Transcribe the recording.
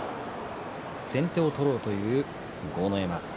先手を取ろうという豪ノ山。